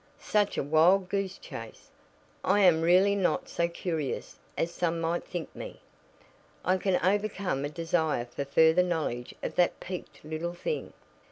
Such a wild goose chase! I am really not so curious as some might think me. I can overcome a desire for further knowledge of that peaked little thing.